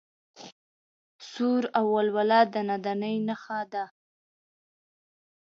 سور او ولوله د نادانۍ نښه ده.